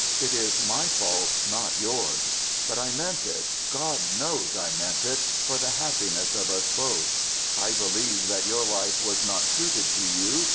It is my fault, not yours. But I meant it God knows, I meant it! for the happiness of us both! I believed that your life was not suited to you.